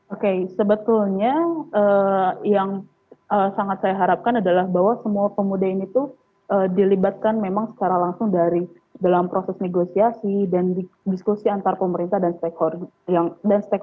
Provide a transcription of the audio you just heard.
oke sebetulnya yang sangat saya harapkan adalah bahwa semua pemuda ini tuh dilibatkan memang secara langsung dari dalam proses negosiasi dan diskusi antar pemerintah